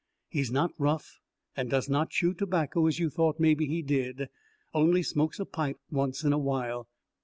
He is not rough and does not chew tobacco as you thought maybe he did, only smokes a pipe once in a while.